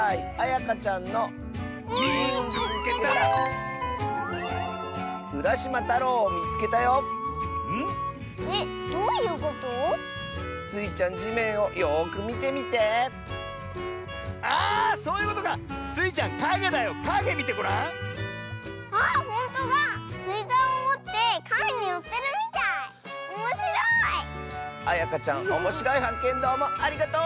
あやかちゃんおもしろいはっけんどうもありがとう！